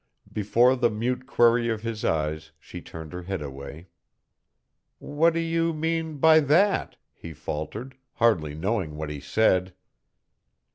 Before the mute query of his eyes she turned her head away. "What do you mean by that?" he faltered, hardly knowing what he said.